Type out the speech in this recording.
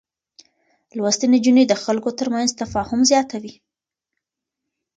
لوستې نجونې د خلکو ترمنځ تفاهم زياتوي.